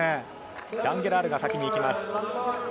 ランゲラールが先に行きます。